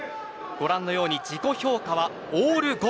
ご覧のように自己評価はオール５。